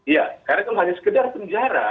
ya karena itu hanya sekedar penjara